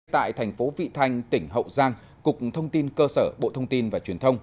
tại thành phố vị thanh tỉnh hậu giang cục thông tin cơ sở bộ thông tin và truyền thông